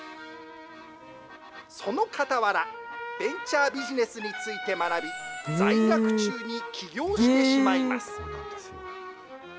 そのかたわら、ベンチャービジネスについて学び、在学中に起業してしまいます。